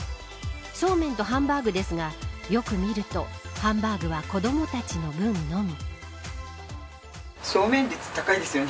そうめんとハンバーグですがよく見るとハンバーグは子どもたちの分のみ。